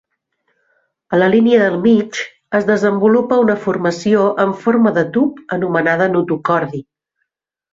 A la línia del mig es desenvolupa una formació en forma de tub anomenada notocordi.